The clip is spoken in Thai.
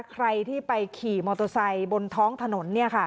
ใครที่ไปขี่มอเตอร์ไซด์บนท้องถนนเนี่ยค่ะ